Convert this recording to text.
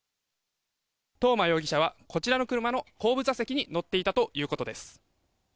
東間容疑者はこちらの車の後部座席に乗っていたということです。